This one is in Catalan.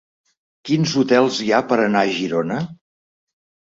Quins hotels hi ha per anar a Girona?